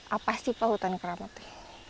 apa sih pak hutan keramat